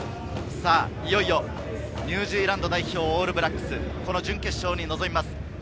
いよいよニュージーランド代表、オールブラックス、準決勝に臨みます。